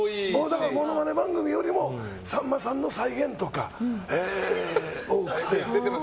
だからモノマネ番組よりもさんまさんの再現とか多くて。